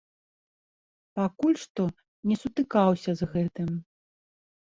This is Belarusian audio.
Пакуль што не сутыкаўся з гэтым.